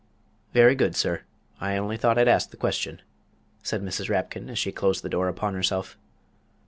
"Very good, sir; I on'y thought I'd ask the question," said Mrs. Rapkin, as she closed the door upon herself.